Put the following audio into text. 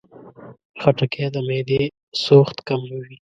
خټکی د معدې سوخت کموي.